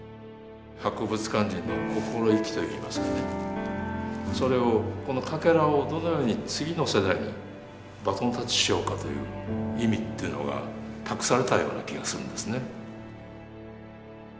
博物館人の心意気といいますかねそれをこのかけらをどのように次の世代にバトンタッチしようかという意味っていうのが託されたような気がするんですね。